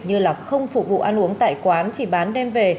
như là không phục vụ ăn uống tại quán chỉ bán đem về